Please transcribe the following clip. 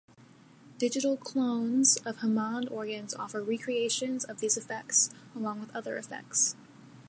Digital "clones" of Hammond organs offer recreations of these effects, along with other effects.